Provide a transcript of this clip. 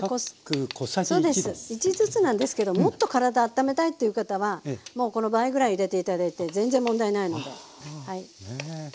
１ずつなんですけどもっと体あっためたいという方はもうこの倍ぐらい入れて頂いて全然問題ないので。